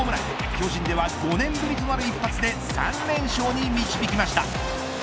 巨人では５年ぶりとなる一発で３連勝に導きました。